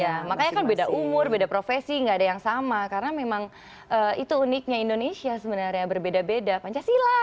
iya makanya kan beda umur beda profesi gak ada yang sama karena memang itu uniknya indonesia sebenarnya berbeda beda pancasila